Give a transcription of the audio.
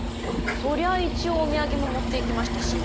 そりゃ一応お土産も持っていきましたしちょっとだけ。